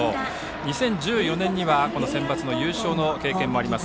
２０１４年にはセンバツの優勝の経験もあります。